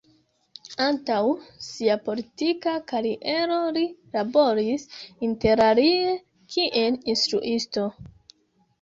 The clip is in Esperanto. Antaŭ sia politika kariero li laboris interalie kiel instruisto.